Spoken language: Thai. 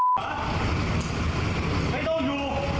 มึงไม่ใช่เกียรติกูเลย